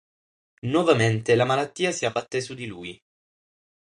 Nuovamente la malattia si abbatte su di lui.